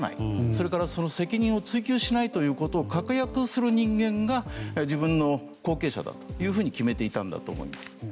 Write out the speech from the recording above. それから責任を追及しないということを確約する人間が自分の後継者だというふうに決めていたんだと思います。